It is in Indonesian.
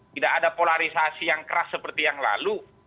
tidak ada polarisasi yang keras seperti yang lalu